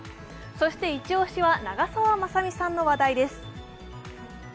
そしてイチ押しは長澤まさみさんの話題です。